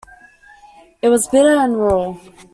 It was bitter and raw.